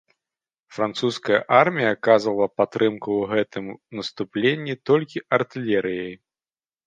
Французская армія аказвала падтрымку ў гэтым наступленні толькі артылерыяй.